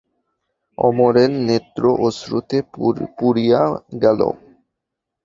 অমরের নেত্র অশ্রুতে পূরিয়া গেল।